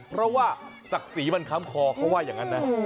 เพราะว่าศักดิ์ศรีมันค้ำคอเขาว่าอย่างนั้นนะ